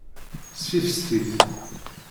Ssifses-it.